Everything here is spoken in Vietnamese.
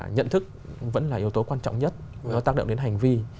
nhận thức vẫn là yếu tố quan trọng nhất nó tác động đến hành vi